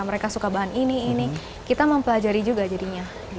mereka suka bahan ini ini kita mempelajari juga jadinya